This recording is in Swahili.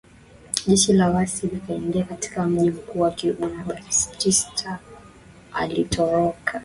jeshi la waasi likaingia katika mji mkuu wa Cubanna Batista alitoroka